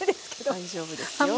大丈夫ですよ。